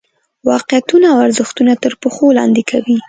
واقعیتونه او ارزښتونه تر پښو لاندې کوي.